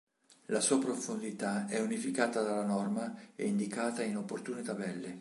La sua profondità è unificata dalla norma e indicata in opportune tabelle.